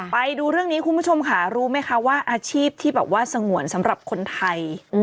ไปดูเรื่องนี้คุณผู้ชมค่ะรู้ไหมคะว่าอาชีพที่แบบว่าสงวนสำหรับคนไทย